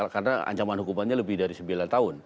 karena ancaman hukumannya lebih dari sembilan tahun